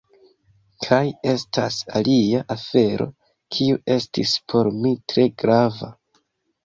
Kaj estas alia afero kiu estis por mi tre grava.